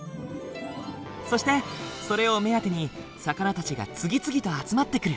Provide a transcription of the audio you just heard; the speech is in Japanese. そしてそれを目当てに魚たちが次々と集まってくる。